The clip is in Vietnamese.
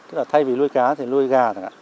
tức là thay vì nuôi cá thì nuôi gà thẳng ạ